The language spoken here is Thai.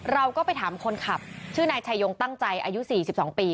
เราก็ไปถามคนขับชื่อนายชายงตั้งใจอายุ๔๒ปี